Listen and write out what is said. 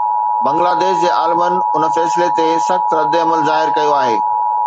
بنگلاديش جي عالمن ان فيصلي تي سخت رد عمل ظاهر ڪيو آهي